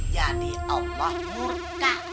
jadi allah murka